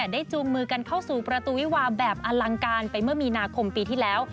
จูงมือกันเข้าสู่ประตูวิวาแบบอลังการไปเมื่อมีนาคมปีที่แล้ว